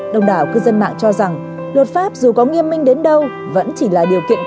đồng đảo cư dân mạng cho rằng luật pháp dù có nghiêm minh đến đâu vẫn chỉ là điều kiện